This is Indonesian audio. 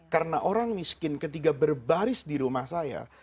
karena orang miskin ketika berbaris di rumah saya